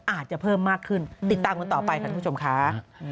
อาจจะเพิ่มมากขึ้นติดตามกันต่อไปค่ะท่านผู้ชมค่ะ